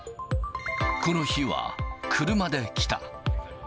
この日は車で来た。